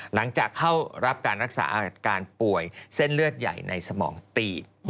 หลังจากเข้ารับการรักษาอาการป่วยเส้นเลือดใหญ่ในสมองตีบ